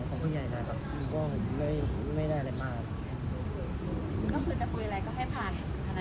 ใช่คุณก็คือคุยอะไรก็ให้ผ่านทานายเจมส์